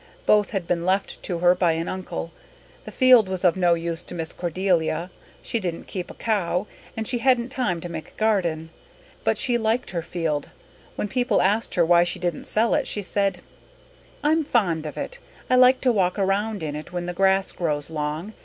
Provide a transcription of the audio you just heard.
Both had been left to her by an uncle. The field was of no use to Miss Cordelia; she didn't keep a cow and she hadn't time to make a garden. But she liked her field; when people asked her why she didn't sell it she said: "I'm fond of it. I like to walk around in it when the grass grows long.